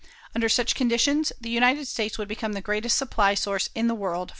Under such conditions, the United States would become the greatest supply source in the world for lumber.